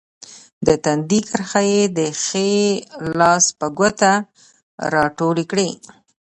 د تندي کرښې یې د ښي لاس په ګوتو کې راټولې کړې.